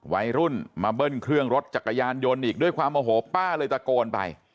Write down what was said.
วัยรุ่นมาเบิ้ลเครื่องรถจักรยานยนต์อีกด้วยความโอโหป้าเลยตะโกนไป